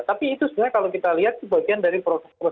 tapi itu sebenarnya kalau kita lihat sebagian dari proses demokrasi